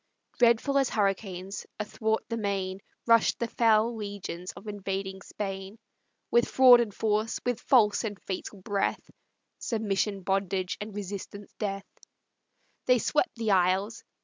Dreadful as hurricanes, athwart the main Rush'd the fell legions of invading Spain; With fraud and force, with false and fatal breath (Submission bondage, and resistance death), They swept the isles.